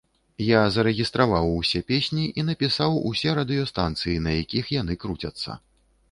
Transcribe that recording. Я зарэгістраваў усе песні і напісаў усе радыёстанцыі, на якіх яны круцяцца.